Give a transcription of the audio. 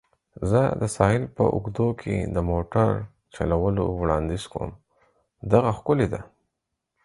زه د ساحل په اوږدو کې د موټر چلولو وړاندیز کوم. دغه ښکلې ده.